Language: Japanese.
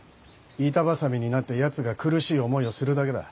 板挟みになってやつが苦しい思いをするだけだ。